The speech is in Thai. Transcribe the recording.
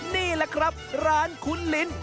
นี่แหละครับร้านคุ้นลิ้น